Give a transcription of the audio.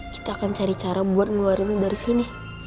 kita akan cari cara buat ngeluarin dari sini